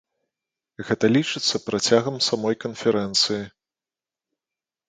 Гэта лічыцца працягам самой канферэнцыі.